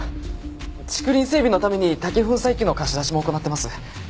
竹林整備のために竹粉砕機の貸し出しも行ってます。